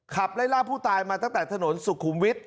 ขับไล่ล่าผู้ตายมาตั้งแต่ถนนสุขุมวิทย